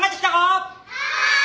はい。